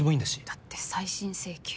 だって再審請求。